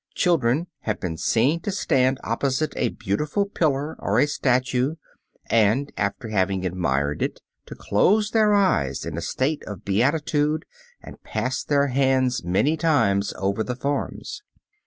Children have been seen to stand opposite a beautiful pillar or a statue and, after having admired it, to close their eyes in a state of beatitude and pass their hands many times over the forms.